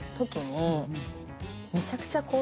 めちゃくちゃ。